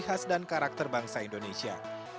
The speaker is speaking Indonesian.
khas dan karakter bangsa indonesia